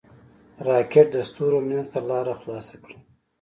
راکټ د ستورو منځ ته لاره خلاصه کړه